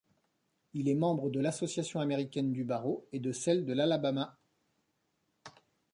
Il est membre de l'association américaine du barreau et de celle de l'Alabama.